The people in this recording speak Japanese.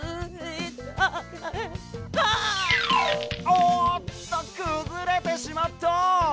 おおっとくずれてしまった！